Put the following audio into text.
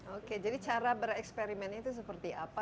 oke jadi cara bereksperimennya itu seperti apa